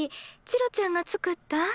チロちゃんが作ったん？